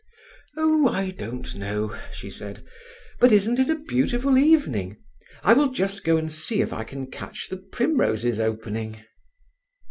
"Oh, I don't know," she said. "But isn't it a beautiful evening? I will just go and see if I can catch the primroses opening."